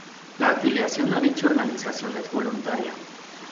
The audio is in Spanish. La afiliación a dicha organización es voluntaria.